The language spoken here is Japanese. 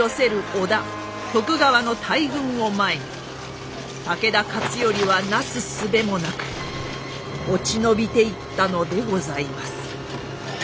織田徳川の大軍を前に武田勝頼はなすすべもなく落ち延びていったのでございます。